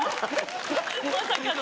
まさかの。